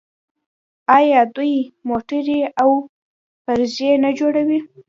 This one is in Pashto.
آیا دوی موټرې او پرزې نه جوړوي؟